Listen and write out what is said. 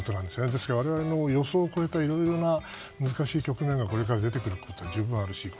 ですから、我々の予想を超えたいろいろな難しい局面がこれから出てくることが十分あるし。